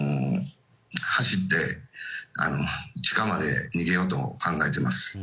走って地下まで逃げようと考えています。